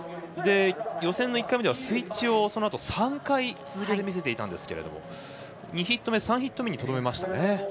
予選の１回目ではそのあとスイッチを続けて見せていたんですけど２ヒット目、３ヒット目にとどめましたね。